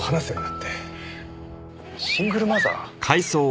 シングルマザー？